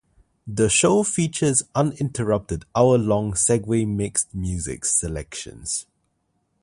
The show features uninterrupted, hour-long segue-mixed music selections.